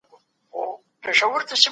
زه هر وخت له خطرناکو حالاتو ځان ساتم.